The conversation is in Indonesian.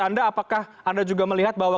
anda apakah anda juga melihat bahwa